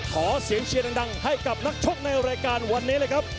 ขอเสียงเชียร์ดังให้กับนักชกในรายการวันนี้เลยครับ